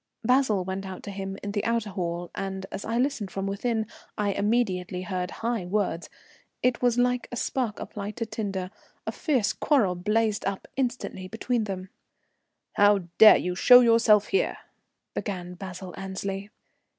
Basil went out to him in the outer hall, and, as I listened from within, I immediately heard high words. It was like a spark applied to tinder; a fierce quarrel blazed up instantly between them. "How dare you show yourself here?" began Basil Annesley.